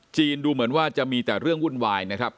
ดูเหมือนว่าจะมีแต่เรื่องวุ่นวายนะครับ